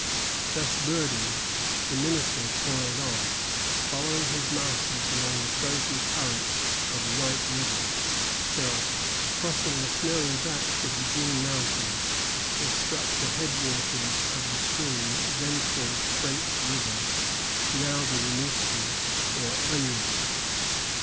Thus burdened, the minister toiled on, following his masters along the frozen current of White River till, crossing the snowy backs of the Green Mountains, they struck the headwaters of the stream then called French River, now the Winooski, or Onion.